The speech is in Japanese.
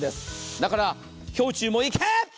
だから氷柱も、いけっ！